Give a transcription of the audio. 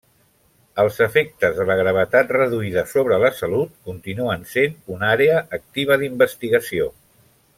Els efectes de la gravetat reduïda sobre la salut continuen sent una àrea activa d'investigació.